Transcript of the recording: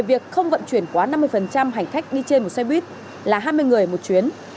việc không vận chuyển quá năm mươi hành khách đi trên một xe buýt là hai mươi người một chuyến